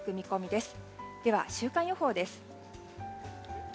では、週間予報です。